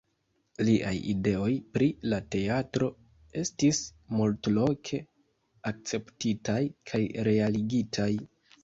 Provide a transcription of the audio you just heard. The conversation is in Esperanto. Liaj ideoj pri la teatro estis multloke akceptitaj kaj realigitaj.